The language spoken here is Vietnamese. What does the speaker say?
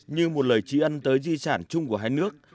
như một lời trí ân tới di sản chung của hai nước